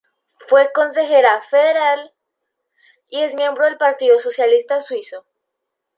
Fue consejera federal y es miembro del Partido Socialista Suizo.